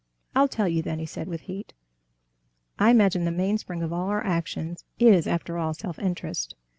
"I'll tell you, then," he said with heat, "I imagine the mainspring of all our actions is, after all, self interest.